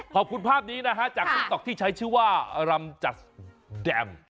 ขอบคุณภาพนี้นะฮะจากติ๊กต๊อกที่ใช้ชื่อว่ารำจัดแดม